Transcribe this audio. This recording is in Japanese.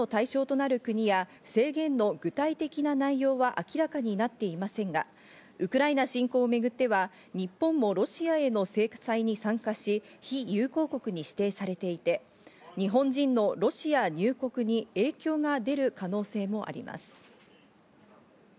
ビザ制限の対象となる国や制限の具体的な内容は明らかになっていませんが、ウクライナ侵攻をめぐっては日本もロシアへの制裁に参加し、非友好国に指定されていて、日本人のロシア入国に影響が出る可能性もあります。